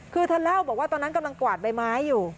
คือเธอเล่าบอกว่าตอนนั้นกำลังกวาดใบไม้อยู่